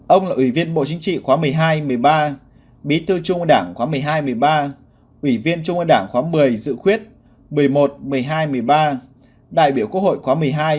ông là ủy viên bộ chính trị khóa một mươi hai một mươi ba bí thư trung ương đảng khóa một mươi hai một mươi ba ủy viên trung ương đảng khóa một mươi dự khuyết một mươi một một mươi hai một mươi ba đại biểu quốc hội khóa một mươi hai một mươi bốn một mươi năm